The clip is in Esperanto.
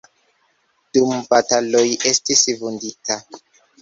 Dum bataloj estis vundita.